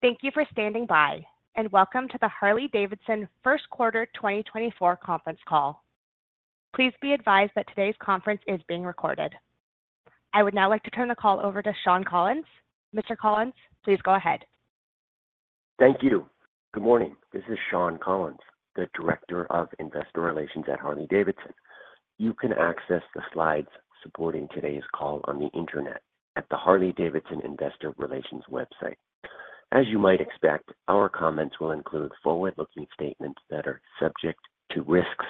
Thank you for standing by, and welcome to the Harley-Davidson First Quarter 2024 Conference Call. Please be advised that today's conference is being recorded. I would now like to turn the call over to Shawn Collins. Mr. Collins, please go ahead. Thank you. Good morning. This is Shawn Collins, the Director of Investor Relations at Harley-Davidson. You can access the slides supporting today's call on the internet at the Harley-Davidson Investor Relations website. As you might expect, our comments will include forward-looking statements that are subject to risks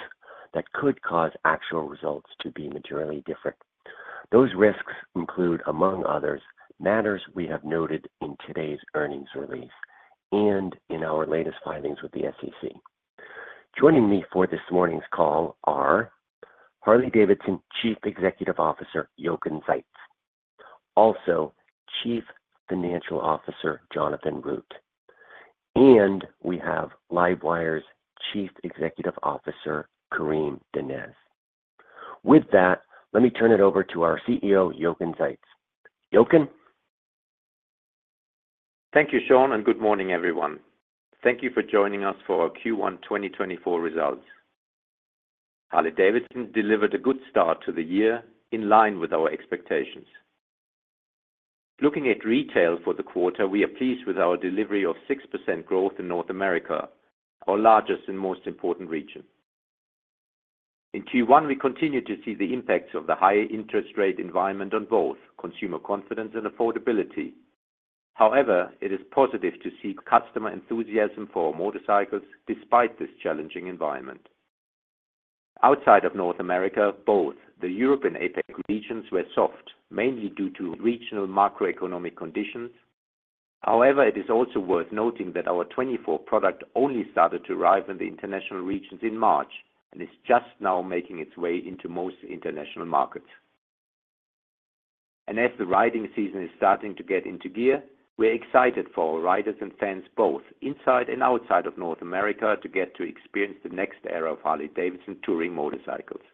that could cause actual results to be materially different. Those risks include, among others, matters we have noted in today's earnings release and in our latest filings with the SEC. Joining me for this morning's call are Harley-Davidson Chief Executive Officer, Jochen Zeitz. Also, Chief Financial Officer, Jonathan Root, and we have LiveWire's Chief Executive Officer, Karim Donnez. With that, let me turn it over to our CEO, Jochen Zeitz. Jochen? Thank you, Shawn, and good morning, everyone. Thank you for joining us for our Q1 2024 results. Harley-Davidson delivered a good start to the year in line with our expectations. Looking at retail for the quarter, we are pleased with our delivery of 6% growth in North America, our largest and most important region. In Q1, we continued to see the impacts of the higher interest rate environment on both consumer confidence and affordability. However, it is positive to see customer enthusiasm for our motorcycles despite this challenging environment. Outside of North America, both the Europe and APAC regions were soft, mainly due to regional macroeconomic conditions. However, it is also worth noting that our 2024 product only started to arrive in the international regions in March and is just now making its way into most international markets. As the riding season is starting to get into gear, we're excited for our riders and fans, both inside and outside of North America, to get to experience the next era of Harley-Davidson touring motorcycles.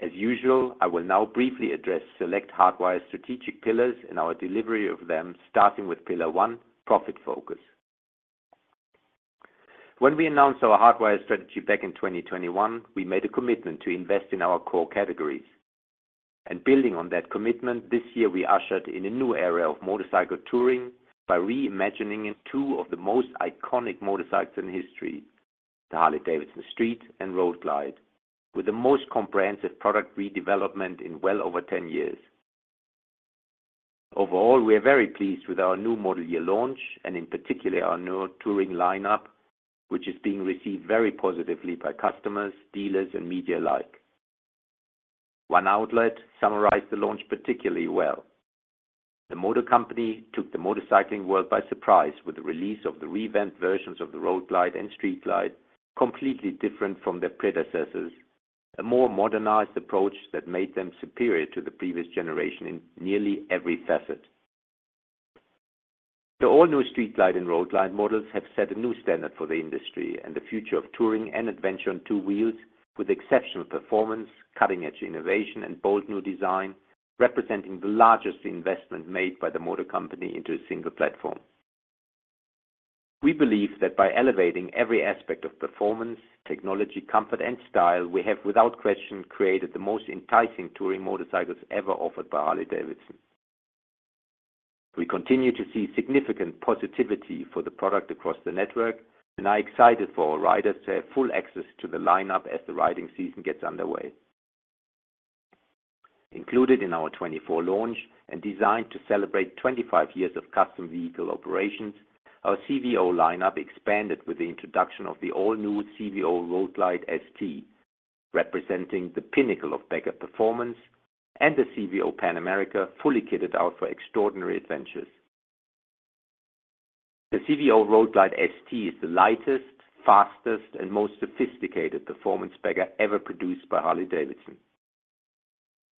As usual, I will now briefly address select Hardwire strategic pillars and our delivery of them, starting with Pillar One: Profit Focus. When we announced our Hardwire strategy back in 2021, we made a commitment to invest in our core categories, and building on that commitment, this year, we ushered in a new era of motorcycle touring by reimagining two of the most iconic motorcycles in history, the Harley-Davidson Street Glide and Road Glide, with the most comprehensive product redevelopment in well over 10 years. Overall, we are very pleased with our new model year launch and, in particular, our new touring lineup, which is being received very positively by customers, dealers, and media alike. One outlet summarized the launch particularly well. "The motor company took the motorcycling world by surprise with the release of the revamped versions of the Road Glide and Street Glide, completely different from their predecessors, a more modernized approach that made them superior to the previous generation in nearly every facet." The all-new Street Glide and Road Glide models have set a new standard for the industry and the future of touring and adventure on two wheels, with exceptional performance, cutting-edge innovation, and bold new design, representing the largest investment made by the motor company into a single platform. We believe that by elevating every aspect of performance, technology, comfort, and style, we have, without question, created the most enticing touring motorcycles ever offered by Harley-Davidson. We continue to see significant positivity for the product across the network and are excited for our riders to have full access to the lineup as the riding season gets underway. Included in our 2024 launch and designed to celebrate 25 years of custom vehicle operations, our CVO lineup expanded with the introduction of the all-new CVO Road Glide ST, representing the pinnacle of bagger performance and the CVO Pan America, fully kitted out for extraordinary adventures. The CVO Road Glide ST is the lightest, fastest, and most sophisticated performance bagger ever produced by Harley-Davidson.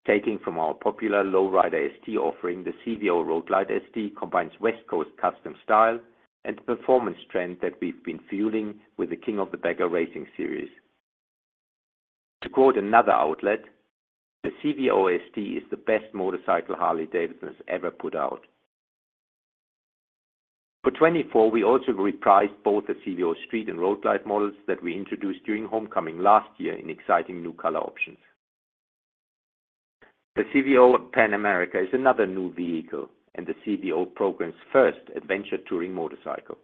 Taking from our popular Low Rider ST offering, the CVO Road Glide ST combines West Coast custom style and the performance trend that we've been fueling with the King of the Baggers racing series. To quote another outlet, "The CVO ST is the best motorcycle Harley-Davidson has ever put out." For 2024, we also repriced both the CVO Street and Road Glide models that we introduced during Homecoming last year in exciting new color options. The CVO Pan America is another new vehicle and the CVO program's first adventure touring motorcycle.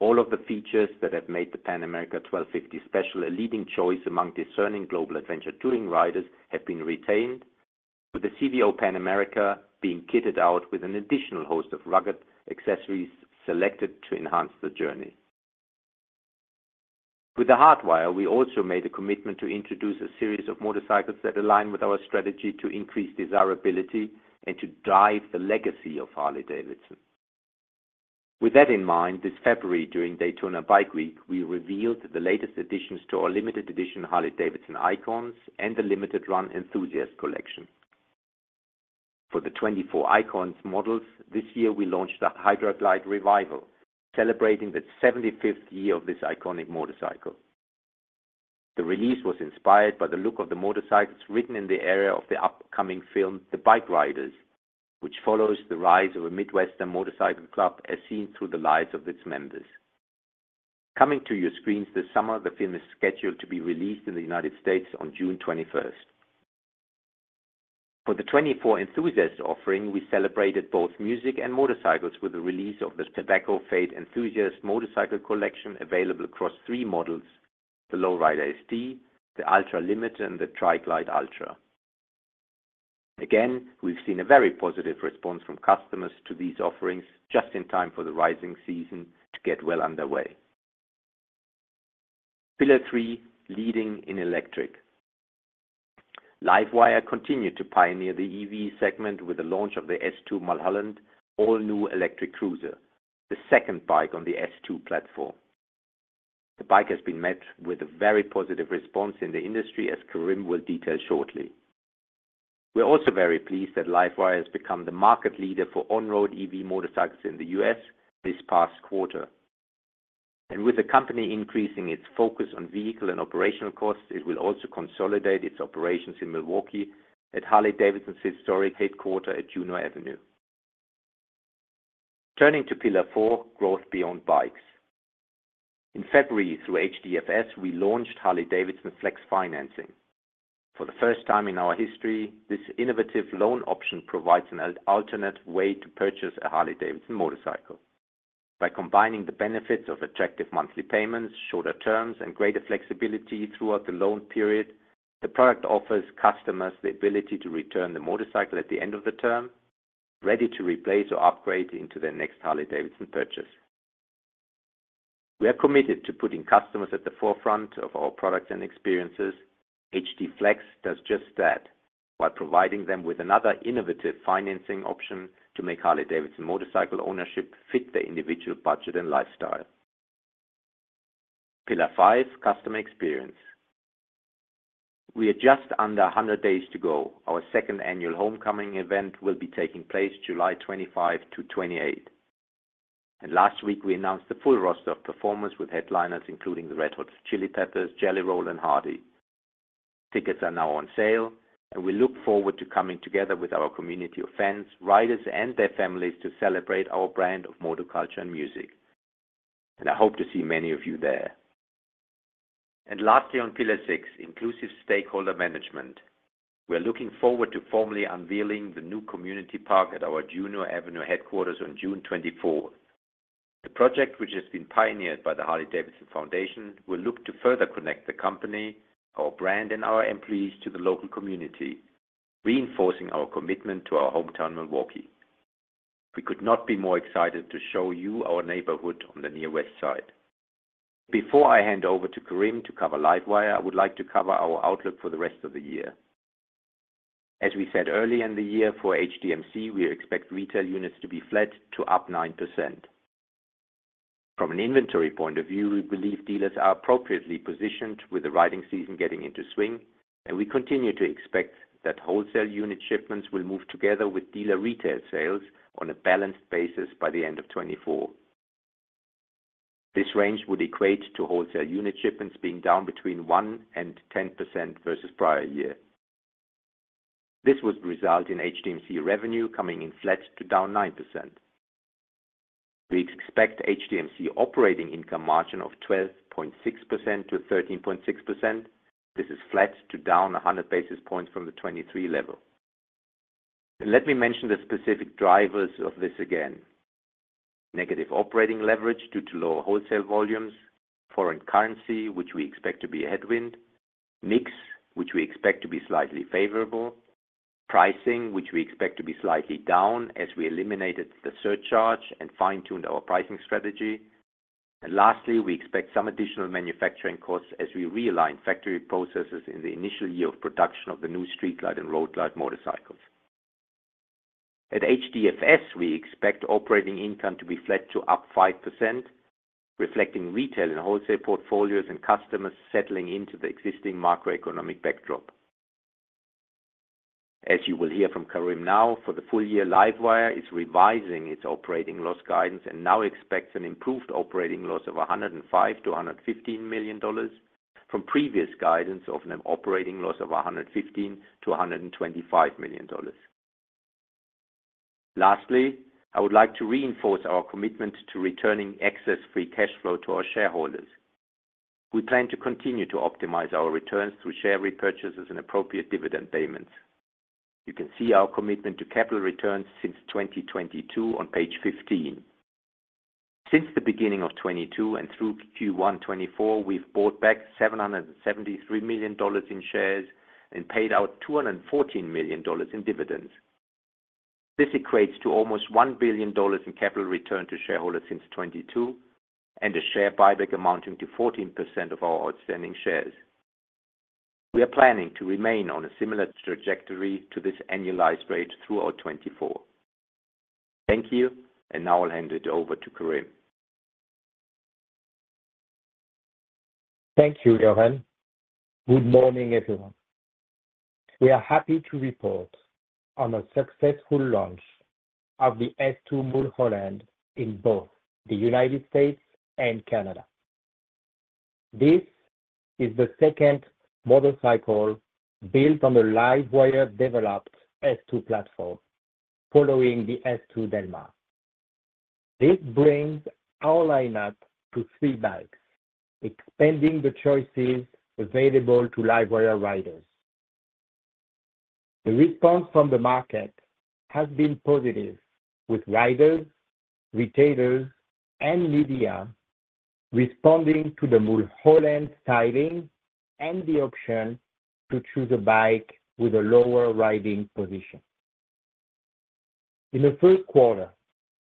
All of the features that have made the Pan America 1250 Special a leading choice among discerning global adventure touring riders have been retained, with the CVO Pan America being kitted out with an additional host of rugged accessories selected to enhance the journey. With the Hardwire, we also made a commitment to introduce a series of motorcycles that align with our strategy to increase desirability and to drive the legacy of Harley-Davidson. With that in mind, this February, during Daytona Bike Week, we revealed the latest additions to our limited edition Harley-Davidson Icons and the limited run Enthusiast Collection. For the 2024 Icons models, this year, we launched the Hydra-Glide Revival, celebrating the 75th year of this iconic motorcycle. The release was inspired by the look of the motorcycles ridden in the era of the upcoming film, The Bikeriders, which follows the rise of a Midwestern motorcycle club as seen through the lives of its members. Coming to your screens this summer, the film is scheduled to be released in the United States on June 21st. For the 2024 Enthusiast offering, we celebrated both music and motorcycles with the release of the Tobacco Fade Enthusiast Motorcycle Collection, available across three models: the Low Rider ST, the Ultra Limited, and the Tri Glide Ultra. Again, we've seen a very positive response from customers to these offerings just in time for the riding season to get well underway. Pillar three, leading in electric. LiveWire continued to pioneer the EV segment with the launch of the S2 Mulholland, all-new electric cruiser, the second bike on the S2 platform. The bike has been met with a very positive response in the industry, as Karim will detail shortly. We are also very pleased that LiveWire has become the market leader for on-road EV motorcycles in the U.S. this past quarter. With the company increasing its focus on vehicle and operational costs, it will also consolidate its operations in Milwaukee at Harley-Davidson's historic headquarters at Juneau Avenue. Turning to pillar four, growth beyond bikes. In February, through HDFS, we launched Harley-Davidson Flex Financing. For the first time in our history, this innovative loan option provides an alternate way to purchase a Harley-Davidson motorcycle. By combining the benefits of attractive monthly payments, shorter terms, and greater flexibility throughout the loan period, the product offers customers the ability to return the motorcycle at the end of the term, ready to replace or upgrade into their next Harley-Davidson purchase. We are committed to putting customers at the forefront of our products and experiences. HD Flex does just that, while providing them with another innovative financing option to make Harley-Davidson motorcycle ownership fit their individual budget and lifestyle. Pillar five, customer experience. We are just under 100 days to go. Our second annual Homecoming event will be taking place July 25-28, and last week we announced the full roster of performers with headliners, including the Red Hot Chili Peppers, Jelly Roll, and Hardy. Tickets are now on sale, and we look forward to coming together with our community of fans, riders, and their families to celebrate our brand of motor culture and music. I hope to see many of you there. Lastly, on pillar six, inclusive stakeholder management. We are looking forward to formally unveiling the new community park at our Juneau Avenue headquarters on June 24. The project, which has been pioneered by the Harley-Davidson Foundation, will look to further connect the company, our brand, and our employees to the local community, reinforcing our commitment to our hometown, Milwaukee. We could not be more excited to show you our neighborhood on the Near West Side. Before I hand over to Karim to cover LiveWire, I would like to cover our outlook for the rest of the year. As we said earlier in the year, for HDMC, we expect retail units to be flat to up 9%. From an inventory point of view, we believe dealers are appropriately positioned with the riding season getting into swing, and we continue to expect that wholesale unit shipments will move together with dealer retail sales on a balanced basis by the end of 2024. This range would equate to wholesale unit shipments being down 1-10% versus prior year. This would result in HDMC revenue coming in flat to down 9%. We expect HDMC operating income margin of 12.6%-13.6%. This is flat to down 100 basis points from the 2023 level. Let me mention the specific drivers of this again. Negative operating leverage due to lower wholesale volumes. Foreign currency, which we expect to be a headwind. Mix, which we expect to be slightly favorable. Pricing, which we expect to be slightly down as we eliminated the surcharge and fine-tuned our pricing strategy. And lastly, we expect some additional manufacturing costs as we realign factory processes in the initial year of production of the new Street Glide and Road Glide motorcycles. At HDFS, we expect operating income to be flat to up 5%, reflecting retail and wholesale portfolios and customers settling into the existing macroeconomic backdrop. As you will hear from Karim now, for the full year, LiveWire is revising its operating loss guidance and now expects an improved operating loss of $105-$115 million from previous guidance of an operating loss of $115-$125 million. Lastly, I would like to reinforce our commitment to returning excess free cash flow to our shareholders. We plan to continue to optimize our returns through share repurchases and appropriate dividend payments. You can see our commitment to capital returns since 2022 on page 15. Since the beginning of 2022 and through Q1 2024, we've bought back $773 million in shares and paid out $214 million in dividends. This equates to almost $1 billion in capital return to shareholders since 2022, and a share buyback amounting to 14% of our outstanding shares. We are planning to remain on a similar trajectory to this annualized rate throughout 2024. Thank you, and now I'll hand it over to Karim. Thank you, Jochen. Good morning, everyone. We are happy to report on a successful launch of the S2 Mulholland in both the United States and Canada. This is the second motorcycle built on the LiveWire-developed S2 platform, following the S2 Del Mar. This brings our lineup to three bikes, expanding the choices available to LiveWire riders. The response from the market has been positive, with riders, retailers, and media responding to the Mulholland styling and the option to choose a bike with a lower riding position. In the first quarter,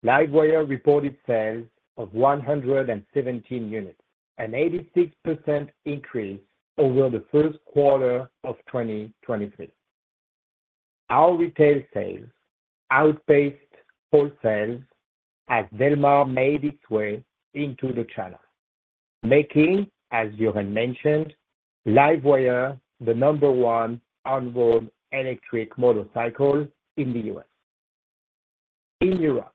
LiveWire reported sales of 117 units, an 86% increase over the first quarter of 2023. Our retail sales outpaced wholesales as Del Mar made its way into the channel, making, as Jochen mentioned, LiveWire the number one on-road electric motorcycle in the U.S. In Europe,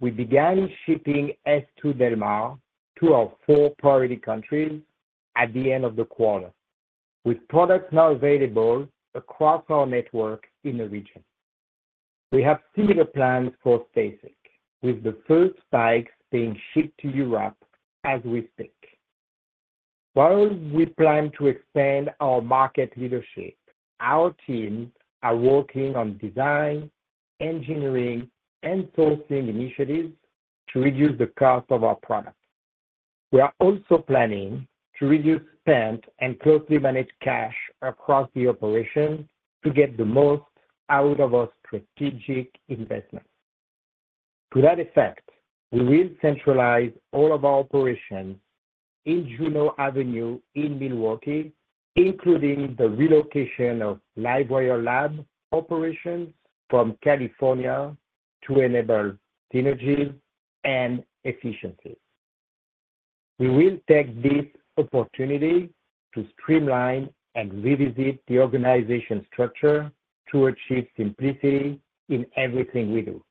we began shipping S2 Del Mar to our four priority countries at the end of the quarter, with products now available across our network in the region. We have similar plans for STACYC, with the first bikes being shipped to Europe as we speak. While we plan to expand our market leadership, our teams are working on design, engineering, and sourcing initiatives to reduce the cost of our products. We are also planning to reduce spend and closely manage cash across the operation to get the most out of our strategic investment. To that effect, we will centralize all of our operations in Juneau Avenue in Milwaukee, including the relocation of LiveWire labs operations from California to enable synergies and efficiencies. We will take this opportunity to streamline and revisit the organization structure to achieve simplicity in everything we do.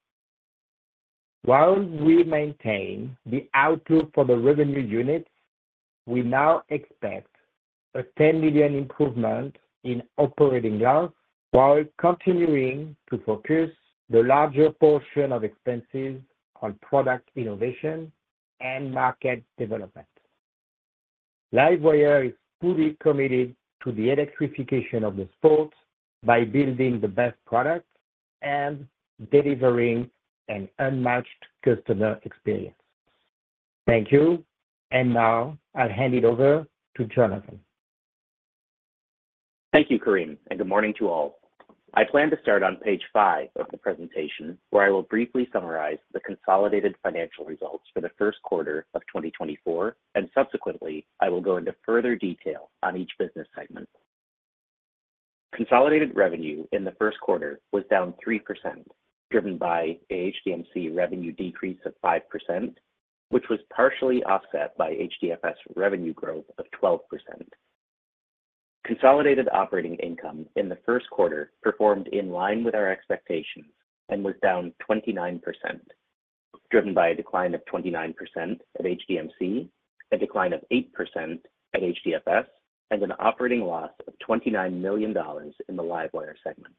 While we maintain the outlook for the revenue units, we now expect a $10 million improvement in operating loss, while continuing to focus the larger portion of expenses on product innovation and market development. LiveWire is fully committed to the electrification of the sport by building the best products and delivering an unmatched customer experience. Thank you, and now I'll hand it over to Jonathan. Thank you, Karim, and good morning to all. I plan to start on page five of the presentation, where I will briefly summarize the consolidated financial results for the first quarter of 2024, and subsequently, I will go into further detail on each business segment. Consolidated revenue in the first quarter was down 3%, driven by a HDMC revenue decrease of 5%, which was partially offset by HDFS revenue growth of 12%. Consolidated operating income in the first quarter performed in line with our expectations and was down 29%, driven by a decline of 29% at HDMC, a decline of 8% at HDFS, and an operating loss of $29 million in the LiveWire segment.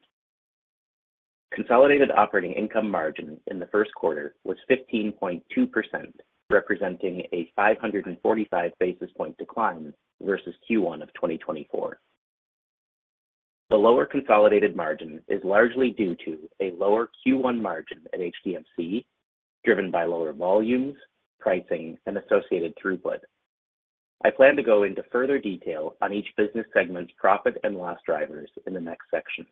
Consolidated operating income margin in the first quarter was 15.2%, representing a 545 basis point decline versus Q1 of 2024. The lower consolidated margin is largely due to a lower Q1 margin at HDMC, driven by lower volumes, pricing, and associated throughput. I plan to go into further detail on each business segment's profit and loss drivers in the next section.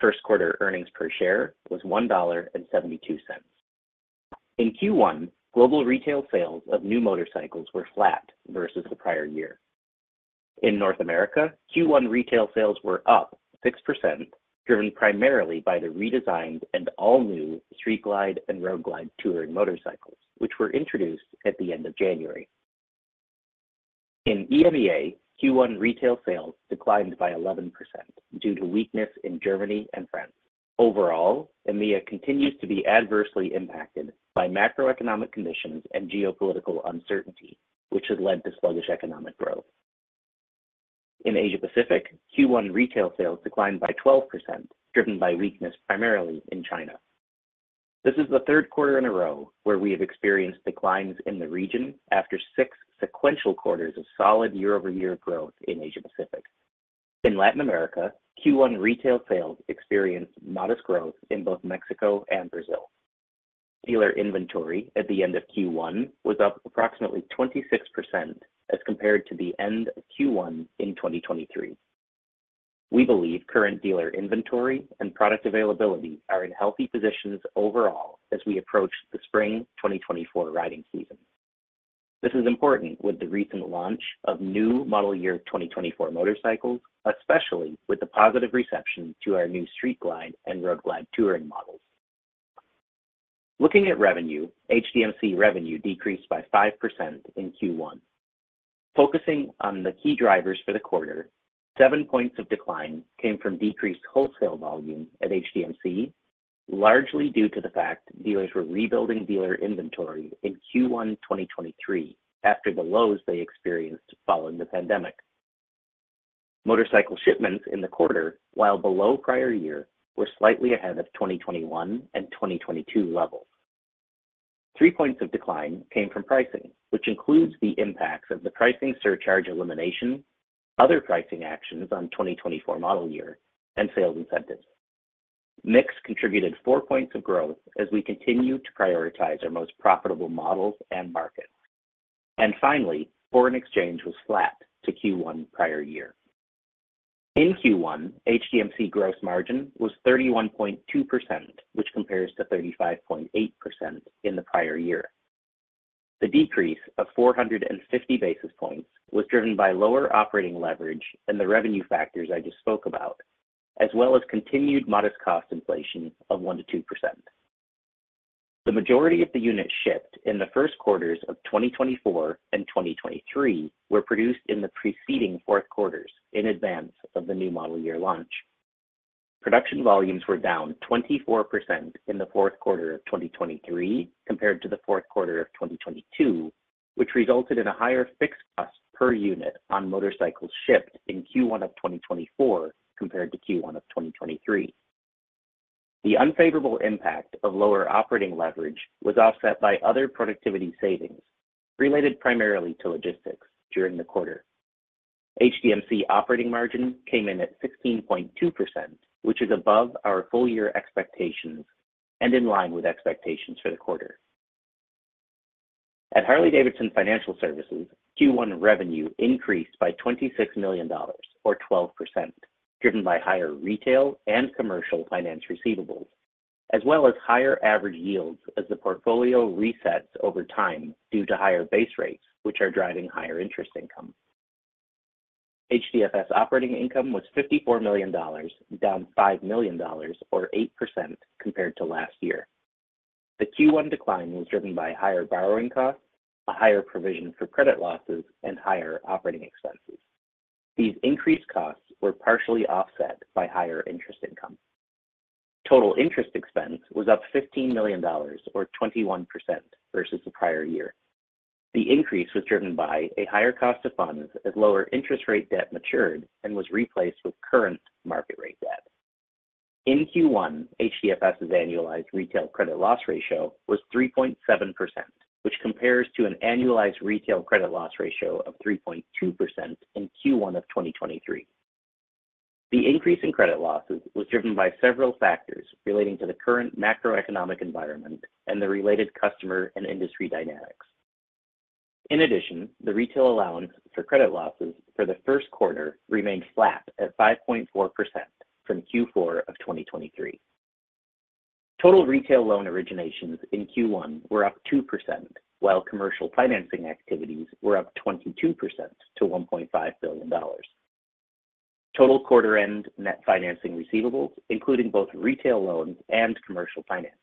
First quarter earnings per share was $1.72. In Q1, global retail sales of new motorcycles were flat versus the prior year. In North America, Q1 retail sales were up 6%, driven primarily by the redesigned and all-new Street Glide and Road Glide touring motorcycles, which were introduced at the end of January. In EMEA, Q1 retail sales declined by 11% due to weakness in Germany and France. Overall, EMEA continues to be adversely impacted by macroeconomic conditions and geopolitical uncertainty, which has led to sluggish economic growth. In Asia Pacific, Q1 retail sales declined by 12%, driven by weakness primarily in China. This is the 3rd quarter in a row where we have experienced declines in the region after six sequential quarters of solid year-over-year growth in Asia Pacific. In Latin America, Q1 retail sales experienced modest growth in both Mexico and Brazil. Dealer inventory at the end of Q1 was up approximately 26% as compared to the end of Q1 in 2023. We believe current dealer inventory and product availability are in healthy positions overall as we approach the spring 2024 riding season. This is important with the recent launch of new model year 2024 motorcycles, especially with the positive reception to our new Street Glide and Road Glide touring models. Looking at revenue, HDMC revenue decreased by 5% in Q1. Focusing on the key drivers for the quarter, seven points of decline came from decreased wholesale volume at HDMC, largely due to the fact dealers were rebuilding dealer inventory in Q1 2023, after the lows they experienced following the pandemic. Motorcycle shipments in the quarter, while below prior year, were slightly ahead of 2021 and 2022 levels. Three points of decline came from pricing, which includes the impacts of the pricing surcharge elimination, other pricing actions on 2024 model year, and sales incentives. Mix contributed four points of growth as we continue to prioritize our most profitable models and markets. And finally, foreign exchange was flat to Q1 prior year. In Q1, HDMC gross margin was 31.2%, which compares to 35.8% in the prior year. The decrease of 450 basis points was driven by lower operating leverage and the revenue factors I just spoke about, as well as continued modest cost inflation of 1-2%. The majority of the units shipped in the first quarters of 2024 and 2023 were produced in the preceding fourth quarters in advance of the new model year launch. Production volumes were down 24% in the fourth quarter of 2023 compared to the fourth quarter of 2022, which resulted in a higher fixed cost per unit on motorcycles shipped in Q1 of 2024 compared to Q1 of 2023. The unfavorable impact of lower operating leverage was offset by other productivity savings, related primarily to logistics during the quarter. HDMC operating margin came in at 16.2%, which is above our full year expectations and in line with expectations for the quarter. At Harley-Davidson Financial Services, Q1 revenue increased by $26 million, or 12%, driven by higher retail and commercial finance receivables, as well as higher average yields as the portfolio resets over time due to higher base rates, which are driving higher interest income. HDFS operating income was $54 million, down $5 million, or 8% compared to last year. The Q1 decline was driven by higher borrowing costs, a higher provision for credit losses, and higher operating expenses. These increased costs were partially offset by higher interest income. Total interest expense was up $15 million, or 21%, versus the prior year. The increase was driven by a higher cost of funds as lower interest rate debt matured and was replaced with current market rate debt. In Q1, HDFS's annualized retail credit loss ratio was 3.7%, which compares to an annualized retail credit loss ratio of 3.2% in Q1 of 2023. The increase in credit losses was driven by several factors relating to the current macroeconomic environment and the related customer and industry dynamics. In addition, the retail allowance for credit losses for the first quarter remained flat at 5.4% from Q4 of 2023. Total retail loan originations in Q1 were up 2%, while commercial financing activities were up 22% to $1.5 billion. Total quarter end net financing receivables, including both retail loans and commercial financing,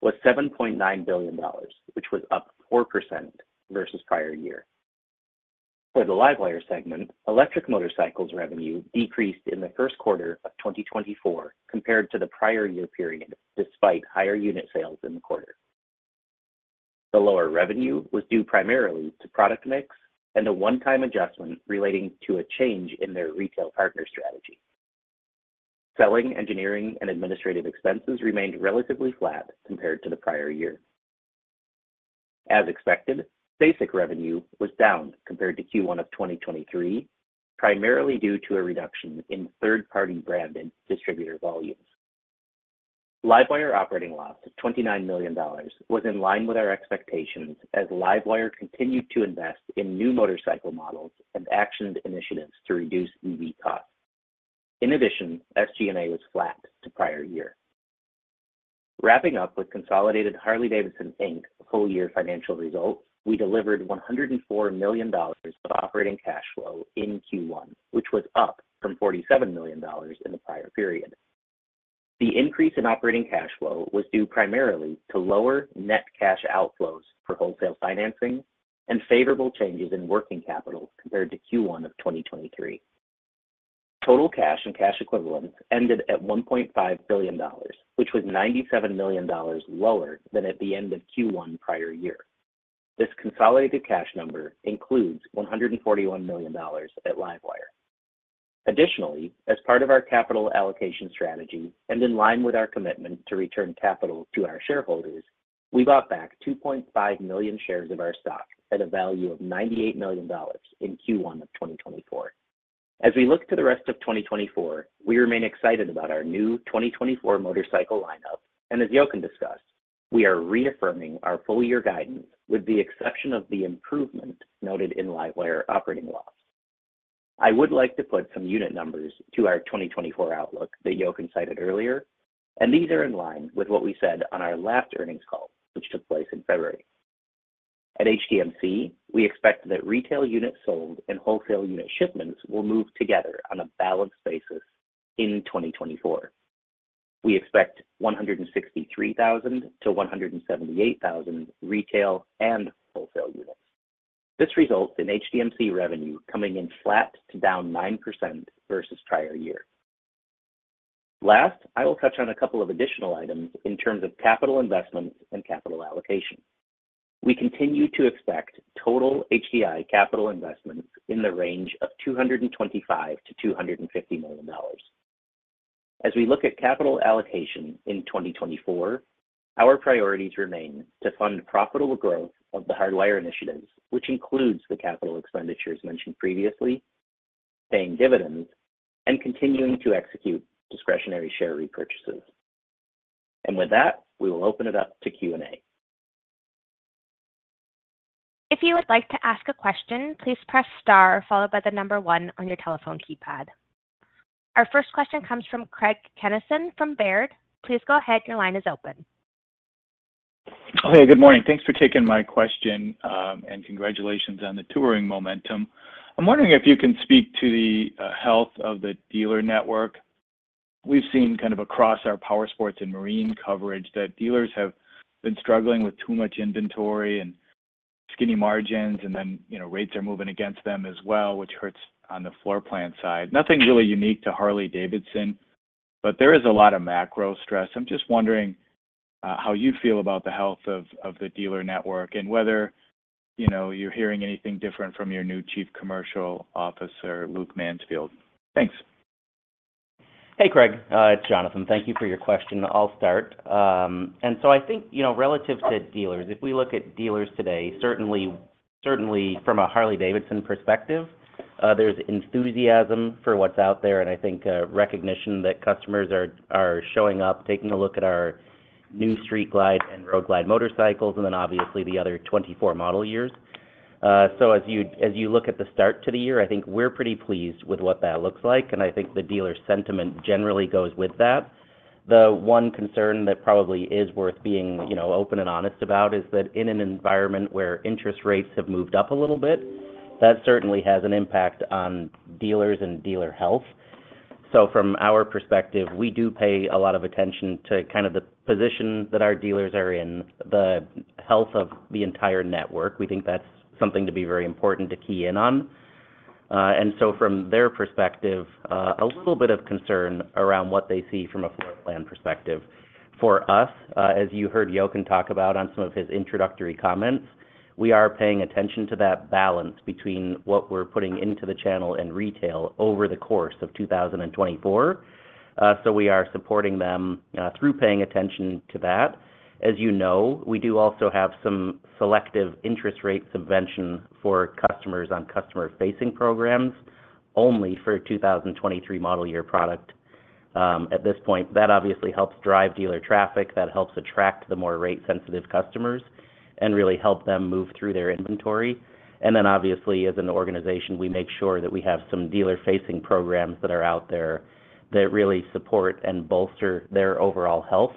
was $7.9 billion, which was up 4% versus prior year. For the LiveWire segment, electric motorcycles revenue decreased in the first quarter of 2024 compared to the prior year period, despite higher unit sales in the quarter. The lower revenue was due primarily to product mix and a one-time adjustment relating to a change in their retail partner strategy. Selling, engineering, and administrative expenses remained relatively flat compared to the prior year. As expected, STACYC revenue was down compared to Q1 of 2023, primarily due to a reduction in third-party branded distributor volumes. LiveWire operating loss of $29 million was in line with our expectations as LiveWire continued to invest in new motorcycle models and action initiatives to reduce EV costs. In addition, SG&A was flat to prior year. Wrapping up with consolidated Harley-Davidson, Inc. full-year financial results, we delivered $104 million of operating cash flow in Q1, which was up from $47 million in the prior period. The increase in operating cash flow was due primarily to lower net cash outflows for wholesale financing and favorable changes in working capital compared to Q1 of 2023. Total cash and cash equivalents ended at $1.5 billion, which was $97 million lower than at the end of Q1 prior year. This consolidated cash number includes $141 million at LiveWire. Additionally, as part of our capital allocation strategy and in line with our commitment to return capital to our shareholders, we bought back 2.5 million shares of our stock at a value of $98 million in Q1 of 2024. As we look to the rest of 2024, we remain excited about our new 2024 motorcycle lineup, and as Jochen discussed, we are reaffirming our full-year guidance with the exception of the improvement noted in LiveWire operating loss. I would like to put some unit numbers to our 2024 outlook that Jochen cited earlier, and these are in line with what we said on our last earnings call, which took place in February. At HDMC, we expect that retail units sold and wholesale unit shipments will move together on a balanced basis in 2024. We expect 163,000-178,000 retail and wholesale units. This results in HDMC revenue coming in flat to down 9% versus prior year. Last, I will touch on a couple of additional items in terms of capital investments and capital allocation. We continue to expect total HDI capital investments in the range of $225-$250 million. As we look at capital allocation in 2024, our priorities remain to fund profitable growth of the Hardwire initiatives, which includes the capital expenditures mentioned previously, paying dividends, and continuing to execute discretionary share repurchases. With that, we will open it up to Q&A. If you would like to ask a question, please press star followed by the number one on your telephone keypad. Our first question comes from Craig Kennison from Baird. Please go ahead. Your line is open. Hey, good morning. Thanks for taking my question, and congratulations on the touring momentum. I'm wondering if you can speak to the health of the dealer network. We've seen kind of across our power sports and marine coverage, that dealers have been struggling with too much inventory and skinny margins, and then, you know, rates are moving against them as well, which hurts on the floor plan side. Nothing really unique to Harley-Davidson, but there is a lot of macro stress. I'm just wondering how you feel about the health of the dealer network and whether, you know, you're hearing anything different from your new Chief Commercial Officer, Luke Mansfield. Thanks. Hey, Craig, it's Jonathan. Thank you for your question. I'll start. And so I think, you know, relative to dealers, if we look at dealers today, certainly, certainly from a Harley-Davidson perspective, there's enthusiasm for what's out there, and I think, recognition that customers are showing up, taking a look at our new Street Glide and Road Glide motorcycles, and then obviously the other 2024 model years. So as you look at the start to the year, I think we're pretty pleased with what that looks like, and I think the dealer sentiment generally goes with that. The one concern that probably is worth being, you know, open and honest about is that in an environment where interest rates have moved up a little bit, that certainly has an impact on dealers and dealer health. So from our perspective, we do pay a lot of attention to kind of the position that our dealers are in, the health of the entire network. We think that's something to be very important to key in on. And so from their perspective, a little bit of concern around what they see from a floor plan perspective. For us, as you heard Jochen talk about on some of his introductory comments, we are paying attention to that balance between what we're putting into the channel and retail over the course of 2024. So we are supporting them, through paying attention to that. As you know, we do also have some selective interest rate subvention for customers on customer-facing programs, only for 2023 model year product. At this point, that obviously helps drive dealer traffic, that helps attract the more rate-sensitive customers and really help them move through their inventory. And then, obviously, as an organization, we make sure that we have some dealer-facing programs that are out there that really support and bolster their overall health.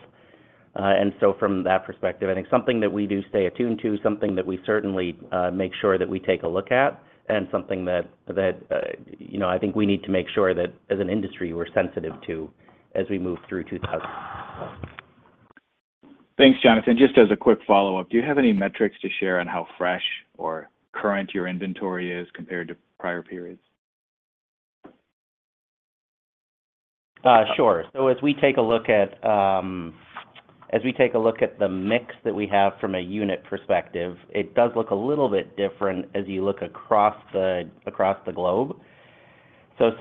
And so from that perspective, I think something that we do stay attuned to, something that we certainly make sure that we take a look at, and something that, you know, I think we need to make sure that as an industry, we're sensitive to as we move through 2024. Thanks, Jonathan. Just as a quick follow-up, do you have any metrics to share on how fresh or current your inventory is compared to prior periods? Sure. So as we take a look at the mix that we have from a unit perspective, it does look a little bit different as you look across the globe. So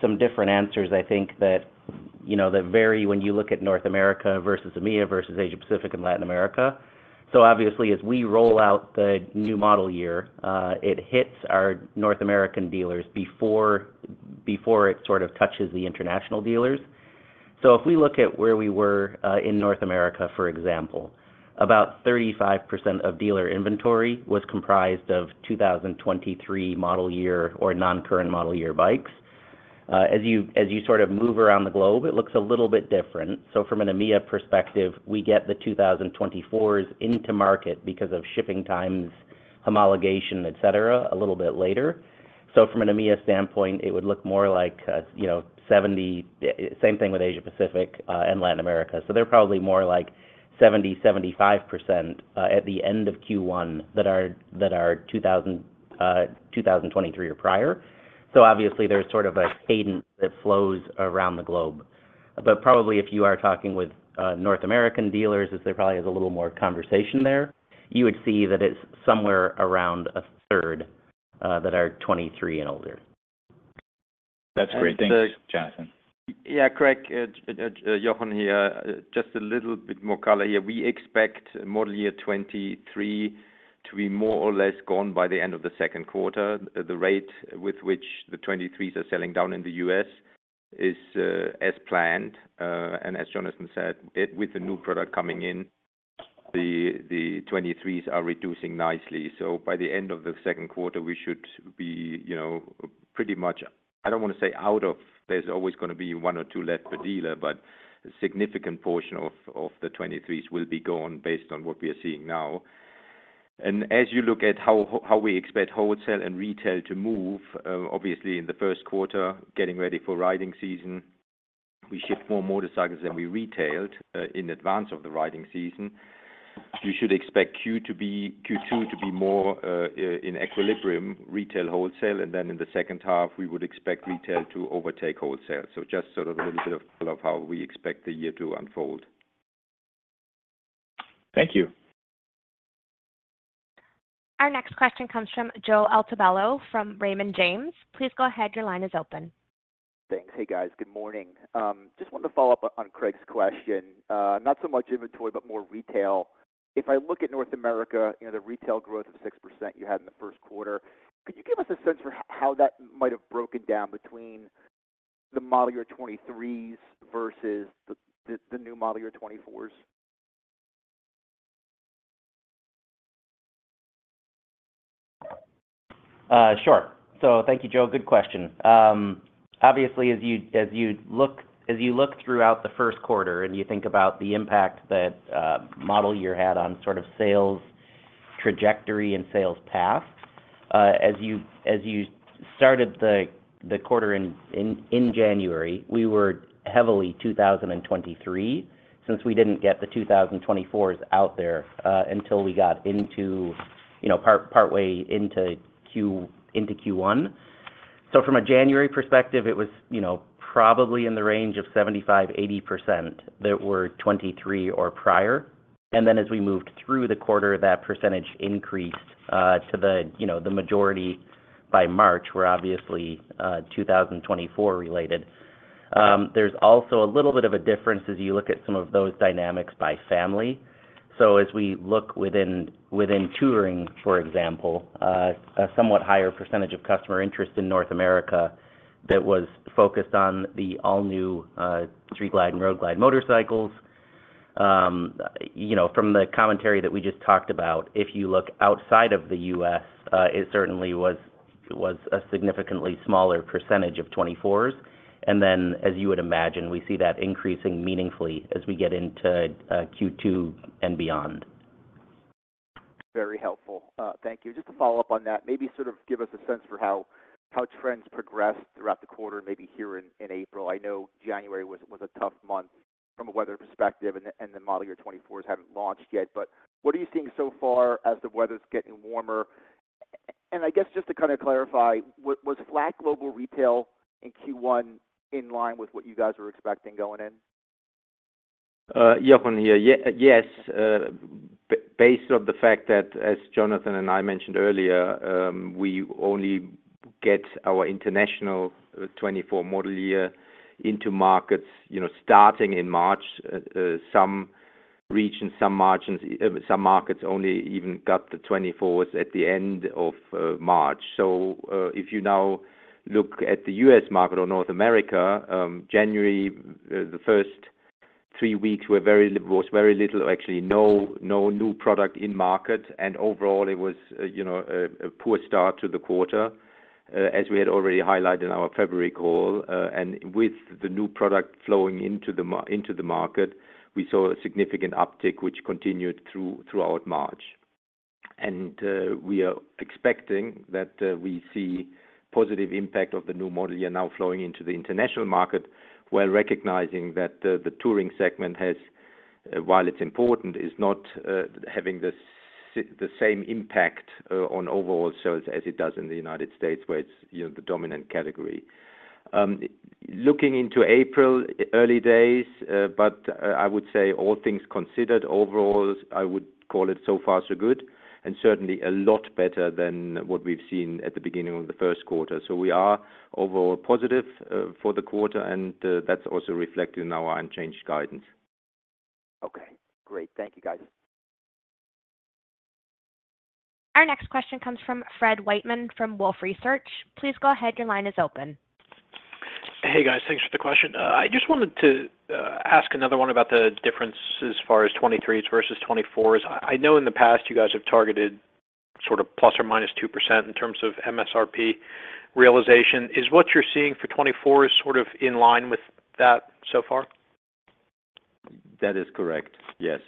some different answers, I think that, you know, that vary when you look at North America versus EMEA, versus Asia Pacific and Latin America. So obviously, as we roll out the new model year, it hits our North American dealers before it sort of touches the international dealers. So if we look at where we were in North America, for example, about 35% of dealer inventory was comprised of 2023 model year or non-current model year bikes. As you sort of move around the globe, it looks a little bit different. So from an EMEA perspective, we get the 2024s into market because of shipping times, homologation, et cetera, a little bit later. So from an EMEA standpoint, it would look more like, you know, 70%—same thing with Asia Pacific and Latin America. So they're probably more like 70-75% at the end of Q1 that are 2023 or prior. So obviously, there's sort of a cadence that flows around the globe. But probably if you are talking with North American dealers, there probably is a little more conversation there. You would see that it's somewhere around a third that are 2023 and older. That's great. Thanks, Jonathan. Yeah, Craig, Jochen here. Just a little bit more color here. We expect model year 2023 to be more or less gone by the end of the second quarter. The rate with which the 2023s are selling down in the U.S. is as planned, and as Jonathan said, with the new product coming in, the 2023s are reducing nicely. So by the end of the second quarter, we should be, you know, pretty much. I don't want to say out of. There's always going to be one or two left per dealer, but a significant portion of the 2023s will be gone based on what we are seeing now. As you look at how we expect wholesale and retail to move, obviously in the first quarter, getting ready for riding season, we shipped more motorcycles than we retailed in advance of the riding season. You should expect Q2 to be more in equilibrium, retail, wholesale, and then in the second half, we would expect retail to overtake wholesale. So just sort of a little bit of how we expect the year to unfold. Thank you. Our next question comes from Joe Altobello from Raymond James. Please go ahead. Your line is open. Thanks. Hey, guys. Good morning. Just wanted to follow up on Craig's question, not so much inventory, but more retail. If I look at North America, you know, the retail growth of 6% you had in the first quarter, could you give us a sense for how that might have broken down between the model year 2023s versus the new model year 2024s? Sure. So thank you, Joe. Good question. Obviously, as you look throughout the first quarter and you think about the impact that model year had on sort of sales trajectory and sales path, as you started the quarter in January, we were heavily 2023, since we didn't get the 2024s out there until we got into, you know, partway into Q1. So from a January perspective, it was, you know, probably in the range of 75-80% that were 2023 or prior. And then as we moved through the quarter, that percentage increased to the majority by March, were obviously 2024 related. There's also a little bit of a difference as you look at some of those dynamics by family. So as we look within touring, for example, a somewhat higher percentage of customer interest in North America that was focused on the all-new Street Glide and Road Glide motorcycles. You know, from the commentary that we just talked about, if you look outside of the U.S., it certainly was a significantly smaller percentage of 2024s. And then, as you would imagine, we see that increasing meaningfully as we get into Q2 and beyond. Very helpful. Thank you. Just to follow up on that, maybe sort of give us a sense for how trends progressed throughout the quarter and maybe here in April. I know January was a tough month from a weather perspective, and the model year 2024s haven't launched yet. But what are you seeing so far as the weather's getting warmer? And I guess just to kind of clarify, was flat global retail in Q1 in line with what you guys were expecting going in? Jochen here. Yes, based on the fact that, as Jonathan and I mentioned earlier, we only get our international 2024 model year into markets, you know, starting in March, some regions, some markets, some markets only even got the 2024s at the end of March. So, if you now look at the U.S. market or North America, January, the first three weeks were very little, or actually, no new product in market, and overall, it was, you know, a poor start to the quarter, as we had already highlighted in our February call. And with the new product flowing into the market, we saw a significant uptick, which continued throughout March. We are expecting that we see positive impact of the new model year now flowing into the international market, while recognizing that the touring segment has, while it's important, is not having the same impact on overall sales as it does in the United States, where it's, you know, the dominant category. Looking into April, early days, but I would say all things considered, overall, I would call it so far, so good, and certainly a lot better than what we've seen at the beginning of the first quarter. So we are overall positive for the quarter, and that's also reflected in our unchanged guidance. Okay, great. Thank you, guys. Our next question comes from Fred Wightman from Wolfe Research. Please go ahead. Your line is open. Hey, guys. Thanks for the question. I just wanted to ask another one about the difference as far as 2023 versus 2024s. I, I know in the past, you guys have targeted sort of plus or minus 2% in terms of MSRP realization. Is what you're seeing for 2024 sort of in line with that so far? That is correct, yes.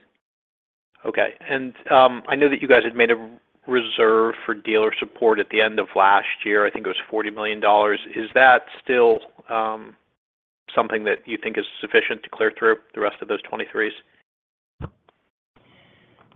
Okay. And, I know that you guys had made a reserve for dealer support at the end of last year. I think it was $40 million. Is that still something that you think is sufficient to clear through the rest of those 2023s?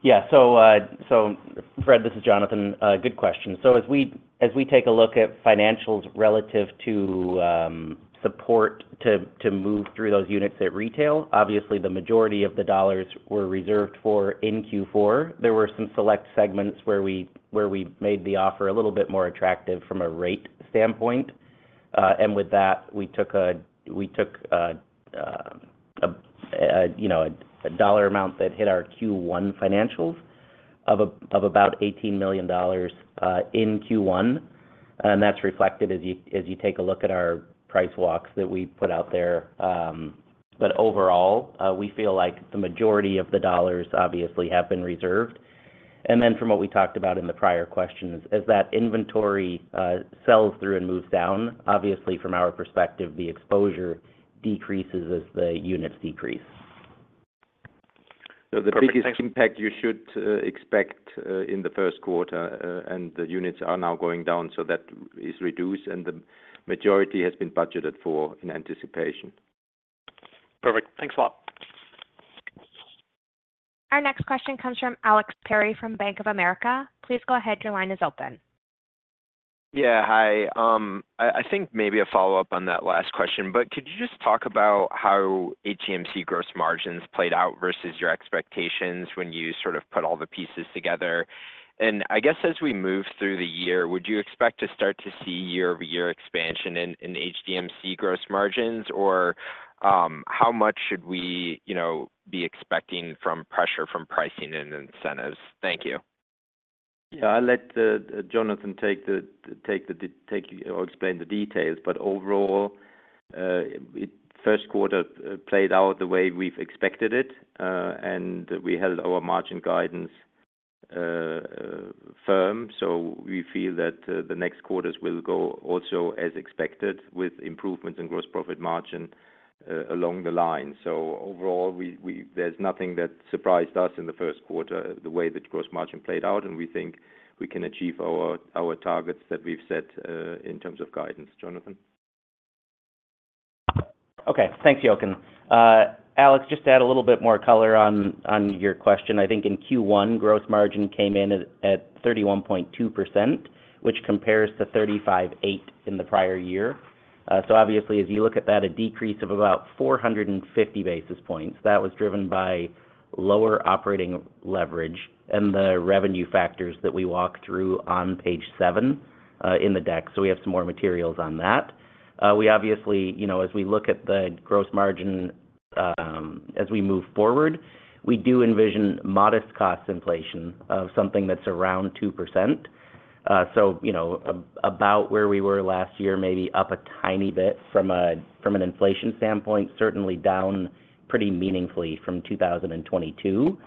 Yeah. So, so Fred, this is Jonathan. Good question. So as we, as we take a look at financials relative to, support to, to move through those units at retail, obviously, the majority of the dollars were reserved for in Q4. There were some select segments where we, where we made the offer a little bit more attractive from a rate standpoint. And with that, we took a, you know, a dollar amount that hit our Q1 financials of about $18 million in Q1, and that's reflected as you, as you take a look at our price walks that we put out there. But overall, we feel like the majority of the dollars obviously have been reserved. From what we talked about in the prior questions, as that inventory sells through and moves down, obviously from our perspective, the exposure decreases as the units decrease. The biggest impact you should expect in the first quarter, and the units are now going down, so that is reduced, and the majority has been budgeted for in anticipation. Perfect. Thanks a lot. Our next question comes from Alex Perry from Bank of America. Please go ahead. Your line is open. Yeah, hi. I think maybe a follow-up on that last question, but could you just talk about how HDMC gross margins played out versus your expectations when you sort of put all the pieces together? And I guess as we move through the year, would you expect to start to see year-over-year expansion in HDMC gross margins? Or, how much should we, you know, be expecting from pressure from pricing and incentives? Thank you. Yeah, I'll let Jonathan take or explain the details, but overall, the first quarter played out the way we've expected it, and we held our margin guidance firm. So we feel that the next quarters will go also as expected, with improvements in gross profit margin along the line. So overall, we—there's nothing that surprised us in the first quarter, the way that gross margin played out, and we think we can achieve our targets that we've set in terms of guidance. Jonathan? Okay, thanks, Jochen. Alex, just to add a little bit more color on your question. I think in Q1, gross margin came in at 31.2%, which compares to 35.8 in the prior year. So obviously, as you look at that, a decrease of about 450 basis points, that was driven by lower operating leverage and the revenue factors that we walked through on page seven in the deck. So we have some more materials on that. We obviously, you know, as we look at the gross margin, as we move forward, we do envision modest cost inflation of something that's around 2%. So, you know, about where we were last year, maybe up a tiny bit from an inflation standpoint, certainly down pretty meaningfully from 2022.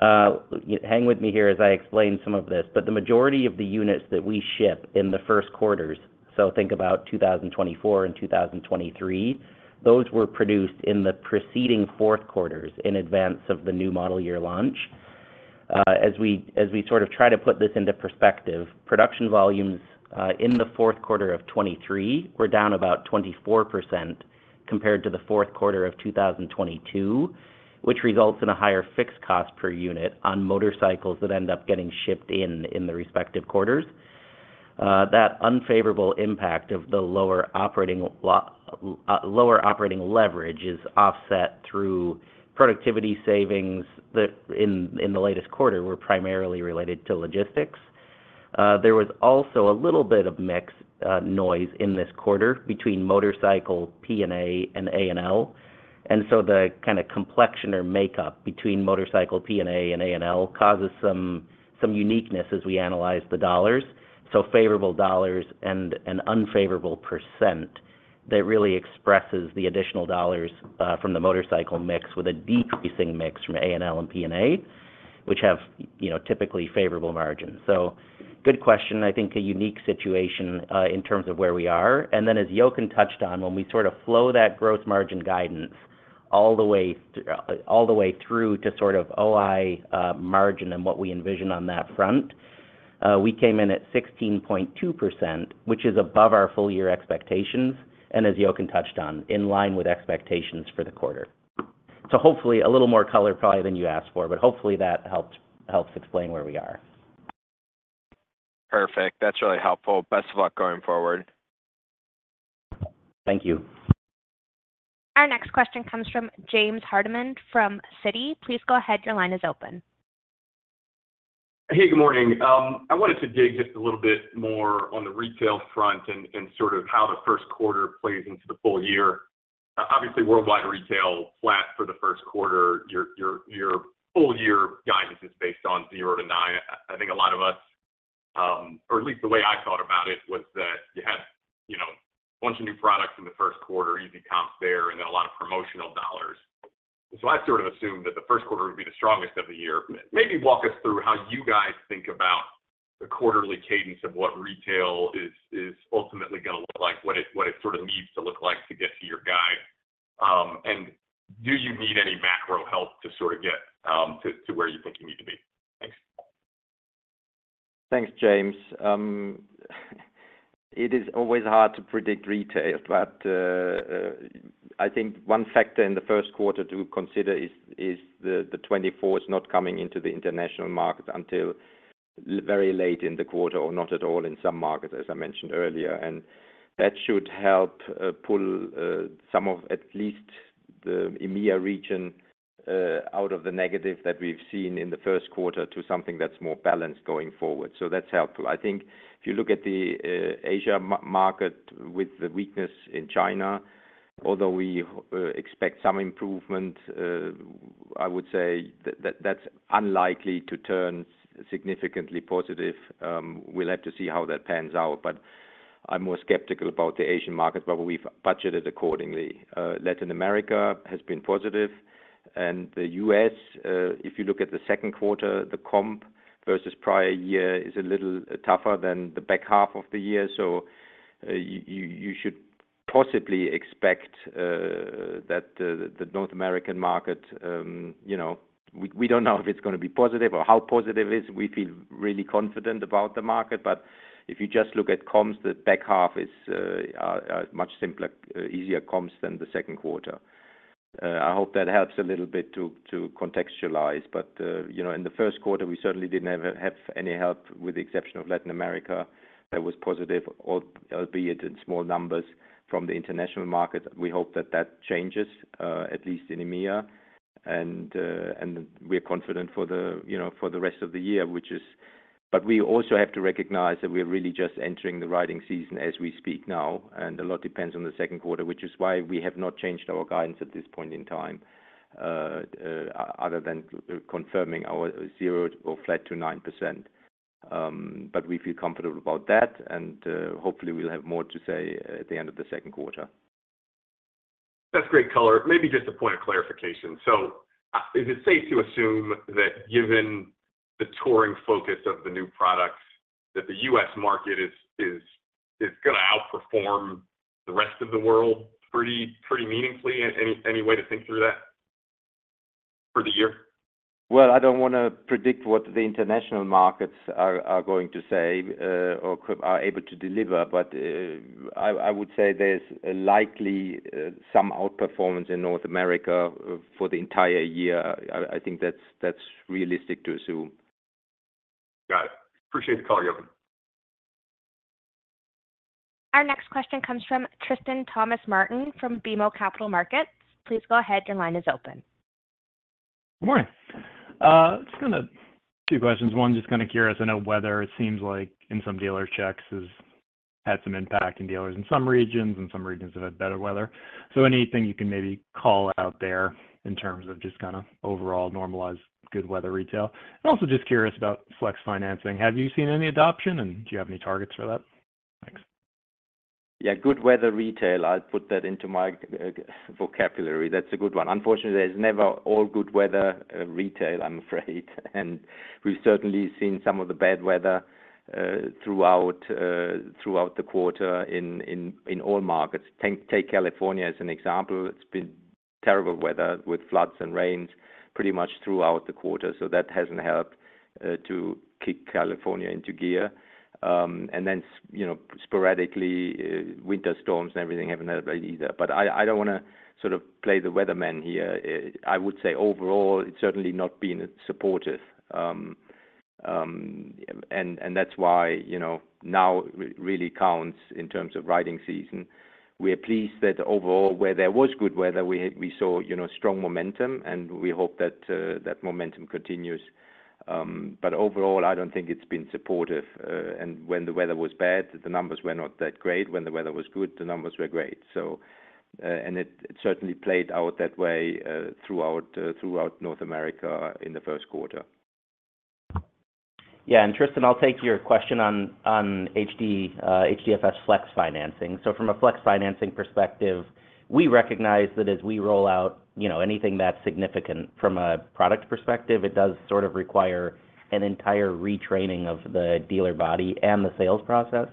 Hang with me here as I explain some of this, but the majority of the units that we ship in the first quarters, so think about 2024 and 2023, those were produced in the preceding fourth quarters in advance of the new model year launch. As we sort of try to put this into perspective, production volumes in the fourth quarter of 2023 were down about 24% compared to the fourth quarter of 2022, which results in a higher fixed cost per unit on motorcycles that end up getting shipped in the respective quarters. That unfavorable impact of the lower operating leverage is offset through productivity savings that in the latest quarter were primarily related to logistics. There was also a little bit of mix noise in this quarter between motorcycle, P&A, and A&L. And so the kind of complexion or makeup between motorcycle P&A and A&L causes some uniqueness as we analyze the dollars. So favorable dollars and an unfavorable percent, that really expresses the additional dollars from the motorcycle mix, with a decreasing mix from A&L and P&A, which have, you know, typically favorable margins. So good question. I think a unique situation in terms of where we are. And then, as Jochen touched on, when we sort of flow that gross margin guidance all the way, all the way through to sort of OI, margin and what we envision on that front, we came in at 16.2%, which is above our full year expectations, and as Jochen touched on, in line with expectations for the quarter. So hopefully, a little more color probably than you asked for, but hopefully that helped, helps explain where we are. Perfect. That's really helpful. Best of luck going forward. Thank you. Our next question comes from James Hardiman from Citi. Please go ahead. Your line is open. Hey, good morning. I wanted to dig just a little bit more on the retail front and, and sort of how the first quarter plays into the full year. Obviously, worldwide retail flat for the first quarter. Your, your, your full year guidance is based on 0-9. I think a lot of us, or at least the way I thought about it, was that you had, you know, a bunch of new products in the first quarter, easy comps there, and then a lot of promotional dollars. So I sort of assumed that the first quarter would be the strongest of the year. Maybe walk us through how you guys think about the quarterly cadence of what retail is, is ultimately going to look like, what it, what it sort of needs to look like to get to your guide. Do you need any macro help to sort of get to where you think you need to be? Thanks. Thanks, James. It is always hard to predict retail, but I think one factor in the first quarter to consider is the 2024s not coming into the international market until very late in the quarter or not at all in some markets, as I mentioned earlier. And that should help pull some of at least the EMEA region out of the negative that we've seen in the first quarter to something that's more balanced going forward. So that's helpful. I think if you look at the Asia market with the weakness in China, although we expect some improvement, I would say that that's unlikely to turn significantly positive. We'll have to see how that pans out, but I'm more skeptical about the Asian market, but we've budgeted accordingly. Latin America has been positive, and the U.S., if you look at the second quarter versus prior year is a little tougher than the back half of the year. So, you should possibly expect that the North American market, you know, we don't know if it's gonna be positive or how positive it is. We feel really confident about the market, but if you just look at comps, the back half is a much simpler, easier comps than the second quarter. I hope that helps a little bit to contextualize, but, you know, in the first quarter, we certainly didn't have any help with the exception of Latin America. That was positive, albeit in small numbers from the international market. We hope that that changes, at least in EMEA. And we're confident for the, you know, for the rest of the year, which is. But we also have to recognize that we're really just entering the riding season as we speak now, and a lot depends on the second quarter, which is why we have not changed our guidance at this point in time, other than confirming our 0% or flat to 9%. But we feel comfortable about that, and, hopefully, we'll have more to say at the end of the second quarter. That's great color. Maybe just a point of clarification. So is it safe to assume that given the touring focus of the new products, that the U.S. market is gonna outperform the rest of the world pretty meaningfully? Any way to think through that for the year? Well, I don't wanna predict what the international markets are going to say, or are able to deliver, but I would say there's likely some outperformance in North America for the entire year. I think that's realistic to assume. Got it. Appreciate the call, Jochen. Our next question comes from Tristan Thomas-Martin from BMO Capital Markets. Please go ahead. Your line is open. Good morning. Just gonna two questions. One, just kinda curious. I know weather, it seems like in some dealer checks, has had some impact in dealers in some regions, and some regions have had better weather. So anything you can maybe call out there in terms of just kinda overall normalized good weather retail? And also just curious about Flex Financing. Have you seen any adoption, and do you have any targets for that? Thanks. Yeah, good weather retail. I'll put that into my vocabulary. That's a good one. Unfortunately, there's never all good weather retail, I'm afraid. And we've certainly seen some of the bad weather throughout the quarter in all markets. Take California as an example. It's been terrible weather with floods and rains pretty much throughout the quarter, so that hasn't helped to kick California into gear. And then, you know, sporadically, winter storms and everything haven't helped either. But I don't wanna sort of play the weatherman here. I would say overall, it's certainly not been supportive. And that's why, you know, now really counts in terms of riding season. We are pleased that overall, where there was good weather, we saw, you know, strong momentum, and we hope that that momentum continues. But overall, I don't think it's been supportive. And when the weather was bad, the numbers were not that great. When the weather was good, the numbers were great. So it certainly played out that way throughout North America in the first quarter. Yeah, and Tristan, I'll take your question on HD...HDFS Flex Financing. So from a Flex Financing perspective, we recognize that as we roll out, you know, anything that's significant from a product perspective, it does sort of require an entire retraining of the dealer body and the sales process.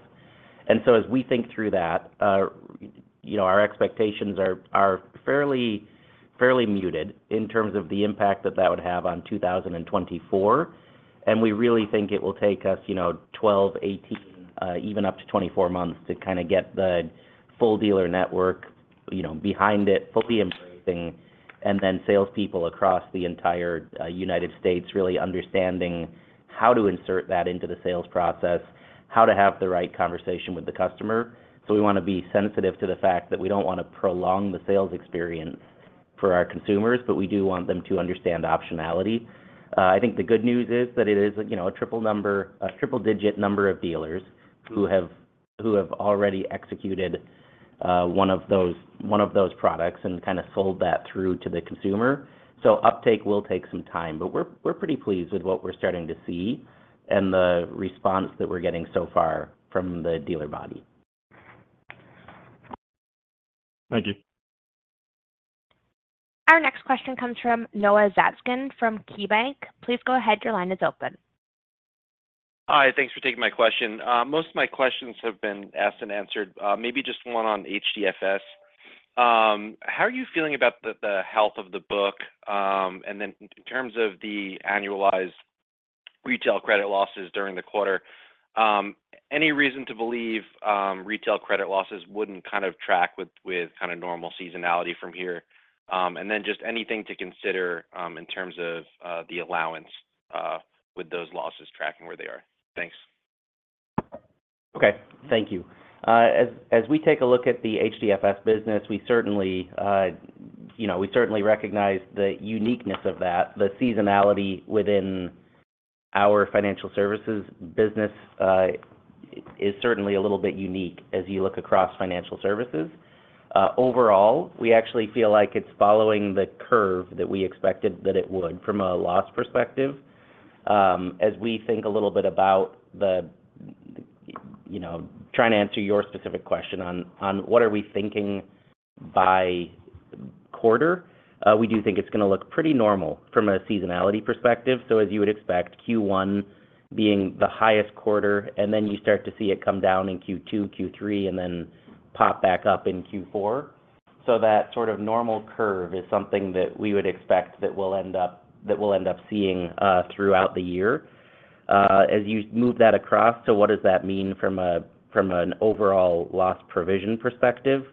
And so as we think through that, you know, our expectations are, are fairly, fairly muted in terms of the impact that that would have on 2024. And we really think it will take us, you know, 12, 18, even up to 24 months to kind of get the full dealer network, you know, behind it, fully embracing, and then salespeople across the entire United States, really understanding how to insert that into the sales process, how to have the right conversation with the customer. So we wanna be sensitive to the fact that we don't wanna prolong the sales experience for our consumers, but we do want them to understand optionality. I think the good news is that it is, you know, a triple number, a triple-digit number of dealers who have already executed one of those products and kinda sold that through to the consumer. So uptake will take some time, but we're pretty pleased with what we're starting to see and the response that we're getting so far from the dealer body. Thank you. Our next question comes from Noah Zatzkin from KeyBanc. Please go ahead. Your line is open. Hi, thanks for taking my question. Most of my questions have been asked and answered. Maybe just one on HDFS. How are you feeling about the health of the book? And then in terms of the annualized retail credit losses during the quarter, any reason to believe retail credit losses wouldn't kind of track with kinda normal seasonality from here? And then just anything to consider in terms of the allowance with those losses tracking where they are? Thanks. Okay, thank you. As we take a look at the HDFS business, we certainly, you know, we certainly recognize the uniqueness of that. The seasonality within our financial services business is certainly a little bit unique as you look across financial services. Overall, we actually feel like it's following the curve that we expected that it would from a loss perspective. As we think a little bit about you know, trying to answer your specific question on what are we thinking by quarter, we do think it's gonna look pretty normal from a seasonality perspective. So as you would expect, Q1 being the highest quarter, and then you start to see it come down in Q2, Q3, and then pop back up in Q4. So that sort of normal curve is something that we would expect that we'll end up seeing throughout the year. As you move that across, so what does that mean from an overall loss provision perspective?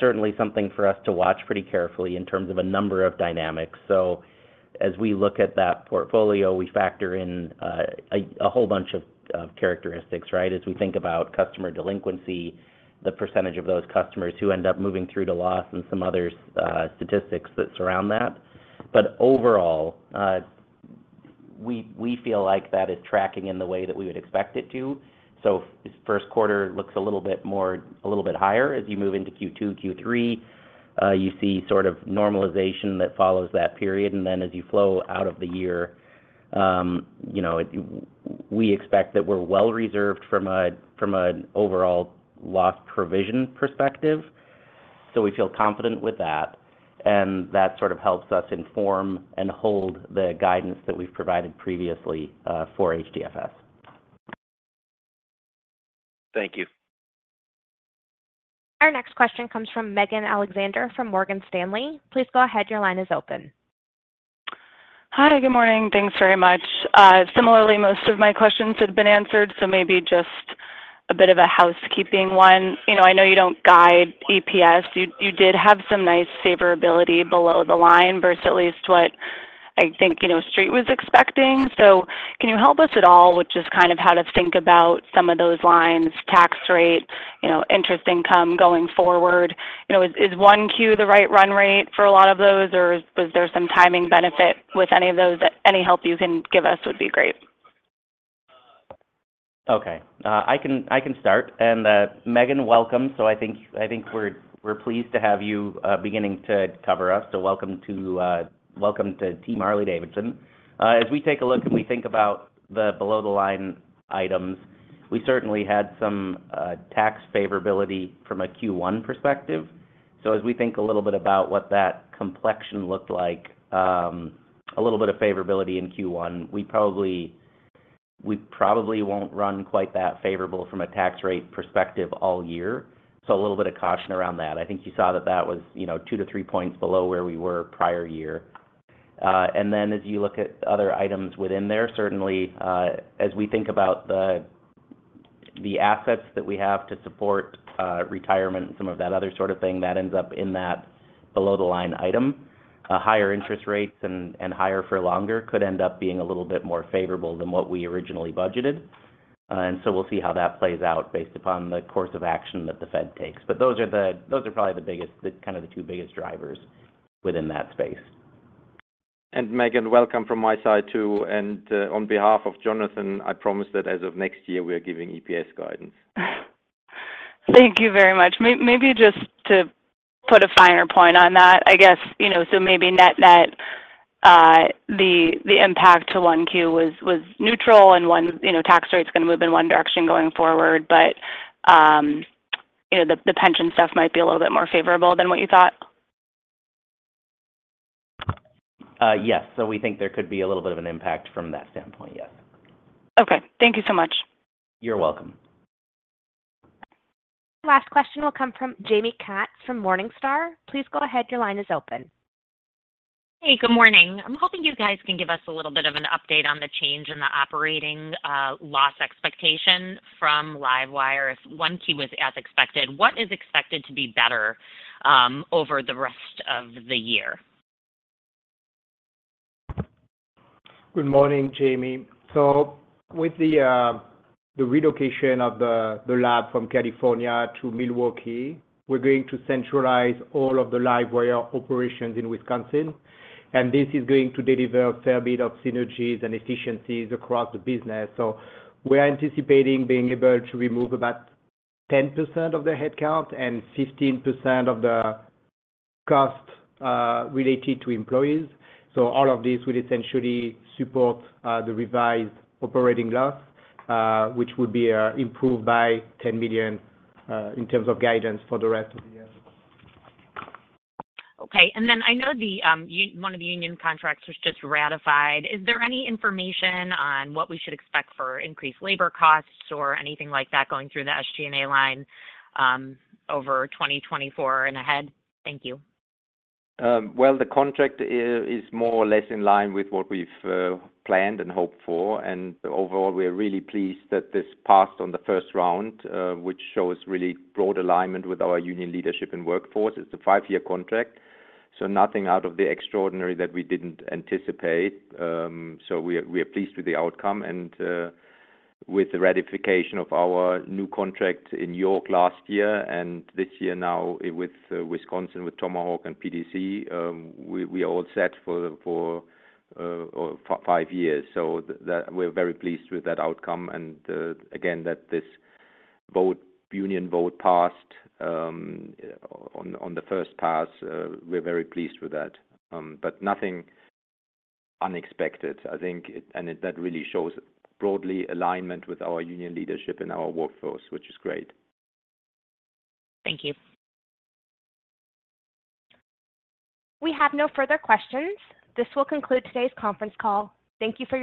Certainly something for us to watch pretty carefully in terms of a number of dynamics. So as we look at that portfolio, we factor in a whole bunch of characteristics, right? As we think about customer delinquency, the percentage of those customers who end up moving through to loss and some other statistics that surround that. But overall, we feel like that is tracking in the way that we would expect it to. So this first quarter looks a little bit higher. As you move into Q2, Q3, you see sort of normalization that follows that period. And then as you flow out of the year, you know, we expect that we're well reserved from a, from an overall loss provision perspective. So we feel confident with that, and that sort of helps us inform and hold the guidance that we've provided previously, for HDFS. Thank you. Our next question comes from Megan Alexander, from Morgan Stanley. Please go ahead. Your line is open. Hi, good morning. Thanks very much. Similarly, most of my questions have been answered, so maybe just a bit of a housekeeping one. You know, I know you don't guide EPS. You, you did have some nice favorability below the line, versus at least what I think, you know, Street was expecting. So can you help us at all, with just kind of how to think about some of those lines, tax rate, you know, interest income going forward? You know, is, is 1Q the right run rate for a lot of those, or was there some timing benefit with any of those? Any help you can give us would be great. Okay. I can, I can start. And, Megan, welcome. So I think, I think we're, we're pleased to have you beginning to cover us. So welcome to, welcome to Team Harley-Davidson. As we take a look and we think about the below-the-line items, we certainly had some tax favorability from a Q1 perspective. So as we think a little bit about what that complexion looked like, a little bit of favorability in Q1, we probably, we probably won't run quite that favorable from a tax rate perspective all year. So a little bit of caution around that. I think you saw that that was, you know, 2-3 points below where we were prior year. And then as you look at other items within there, certainly, as we think about the assets that we have to support retirement and some of that other sort of thing, that ends up in that below-the-line item. Higher interest rates and higher for longer could end up being a little bit more favorable than what we originally budgeted. And so we'll see how that plays out based upon the course of action that the Fed takes. But those are probably the biggest, the kind of the two biggest drivers within that space. Megan, welcome from my side, too. On behalf of Jonathan, I promise that as of next year, we are giving EPS guidance. Thank you very much. Maybe just to put a finer point on that, I guess, you know, so maybe net-net, the impact to 1Q was neutral and 1Q, you know, tax rate is going to move in one direction going forward, but, you know, the pension stuff might be a little bit more favorable than what you thought? Yes. We think there could be a little bit of an impact from that standpoint, yes. Okay. Thank you so much. You're welcome. Last question will come from Jaime Katz from Morningstar. Please go ahead. Your line is open. Hey, good morning. I'm hoping you guys can give us a little bit of an update on the change in the operating loss expectation from LiveWire. If one key was as expected, what is expected to be better over the rest of the year? Good morning, Jaime. So with the relocation of the lab from California to Milwaukee, we're going to centralize all of the LiveWire operations in Wisconsin, and this is going to deliver a fair bit of synergies and efficiencies across the business. So we are anticipating being able to remove about 10% of the headcount and 15% of the cost related to employees. So all of this will essentially support the revised operating loss which would be improved by $10 million in terms of guidance for the rest of the year. Okay. And then I know one of the union contracts was just ratified. Is there any information on what we should expect for increased labor costs or anything like that going through the SG&A line over 2024 and ahead? Thank you. Well, the contract is more or less in line with what we've planned and hoped for. And overall, we are really pleased that this passed on the first round, which shows really broad alignment with our union leadership and workforce. It's a five year contract, so nothing out of the extraordinary that we didn't anticipate. So we are pleased with the outcome and with the ratification of our new contract in York last year and this year now with Wisconsin, with Tomahawk and PDC, we are all set for five years. So that, we're very pleased with that outcome, and again, that this union vote passed on the first pass. We're very pleased with that. But nothing unexpected, I think, and that really shows broad alignment with our union leadership and our workforce, which is great. Thank you. We have no further questions. This will conclude today's conference call. Thank you for-